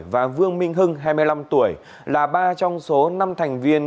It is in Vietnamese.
và vương minh hưng hai mươi năm tuổi là ba trong số năm thành viên